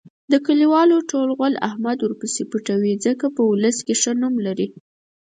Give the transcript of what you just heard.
د کلیوالو ټول غول احمد ورپسې پټوي. ځکه په اولس کې ښه نوم لري.